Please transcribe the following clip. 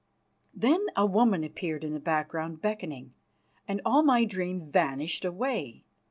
Then a woman appeared in the background beckoning, and all my dream vanished away.